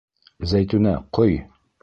Зәйтүнә, ҡой!